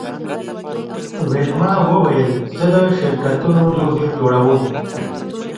ویلما وویل زه د شرکتونو لوحې جوړوم